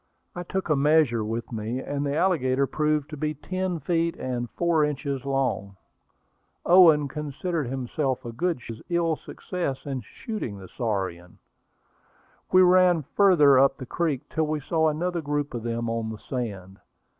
I took a measure with me, and the alligator proved to be ten feet and four inches long. Owen considered himself a good shot, and he was somewhat mortified at his ill success in shooting the saurian. We ran farther up the creek till we saw another group of them on the sand.